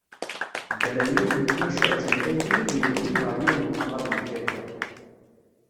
Ddren yiwet n tmacahut n tayri i ten-yewwin ɣer yiwen umaḍal n tirga.